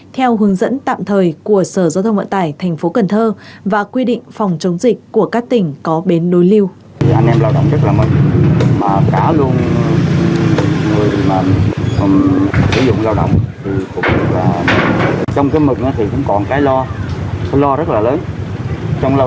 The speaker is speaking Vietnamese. theo hướng dẫn tạm thời của sở giao thông vận tải tp cn và quy định phòng chống dịch của các tỉnh có bến đối lưu